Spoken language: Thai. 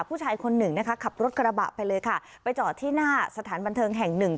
ผู้ชายคนหนึ่งนะคะขับรถกระบะไปเลยค่ะไปจอดที่หน้าสถานบันเทิงแห่งหนึ่ง